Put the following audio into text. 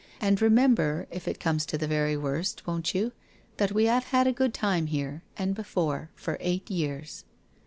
And remember, if it comes to the very worst, won't you, that we have had a good time here, and before, for eight years.